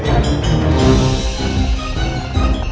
seperti ada suara orang kesakitan